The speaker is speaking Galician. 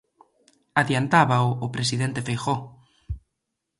Adiantábao o presidente Feijóo.